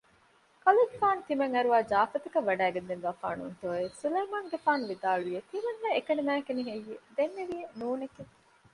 ކަލޭގެފާނު ތިމަން އަރުވާ ޖާފަތަކަށް ވަޑައިގެންދެއްވާފާނޫތޯއެވެ؟ ސުލައިމާނުގެފާނު ވިދާޅުވިއެވެ ތިމަންނާ އެކަނިމާއެކަނިހެއްޔެވެ؟ ދެންނެވިއެވެ ނޫނެއް